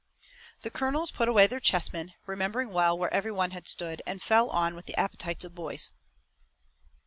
The colonels put away their chessmen, remembering well where every one had stood, and fell on with the appetites of boys.